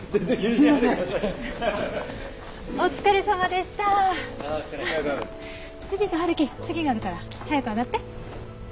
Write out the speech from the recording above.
ジュニと陽樹次があるから早くあがって。